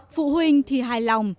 phụ huynh thì hài lòng